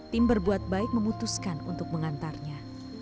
tim berbuat baik memutuskan untuk mengantarnya